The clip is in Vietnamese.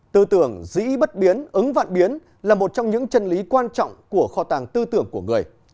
tư tưởng dĩ bất biến ứng vạn biến là một trong những chân lý quan trọng của kho tàng tư tưởng của người